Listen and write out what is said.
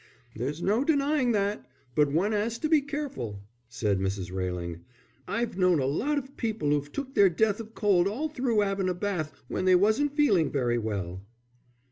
"There's no denying that, but one 'as to be careful," said Mrs. Railing. "I've known a lot of people who've took their death of cold all through 'aving a bath when they wasn't feeling very well."